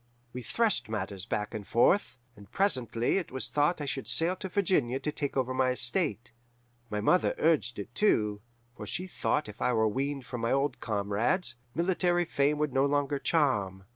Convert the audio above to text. We threshed matters back and forth, and presently it was thought I should sail to Virginia to take over my estate. My mother urged it, too, for she thought if I were weaned from my old comrades, military fame would no longer charm.